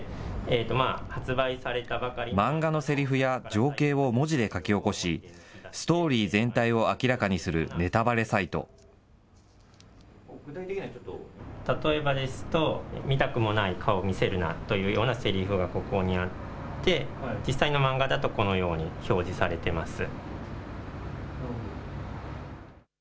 情景を文字で書き起こし、ストーリー全体を明らかにするネタ例えばですと、見たくもない顔見せるなというようなせりふがここにあって、実際の漫画だとこのように表示されてます。